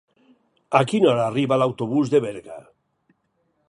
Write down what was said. A quina hora arriba l'autobús de Berga?